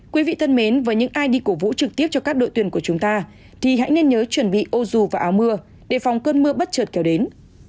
quý vị thân mến với những ai đi cổ vũ trực tiếp cho các đội tuyển của chúng ta thì hãy nên nhớ chuẩn bị ô dù vào áo mưa để phòng cơn mưa bất trợt kéo đến